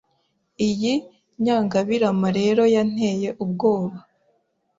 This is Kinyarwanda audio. Iyi nyangabirama rero yanteye ubwoba